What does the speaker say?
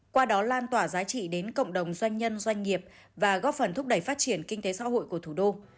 qua đó lan tỏa giá trị đến cộng đồng doanh nhân doanh nghiệp và góp phần thúc đẩy phát triển kinh tế xã hội của thủ đô